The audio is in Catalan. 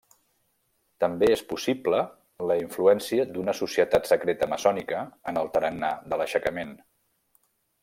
També és possible la influència d'una societat secreta maçònica en el tarannà de l'aixecament.